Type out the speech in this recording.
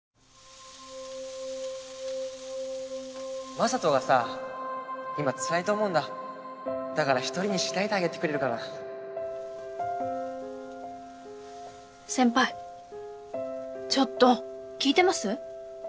雅人がさ今つらいと思うだから一人にしないであげてくれるか先輩ちょっと聞いてます？